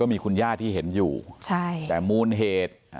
ก็มีคุณญาติที่เห็นอยู่แต่มูลเหตุ